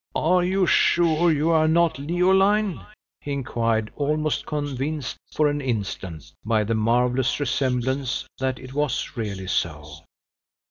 "Are you are you sure you are not Leoline?" he inquired, almost convinced, for an instant, by the marvelous resemblance, that it was really so.